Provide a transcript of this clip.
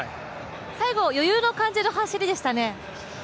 最後余裕の感じの走りでしたね？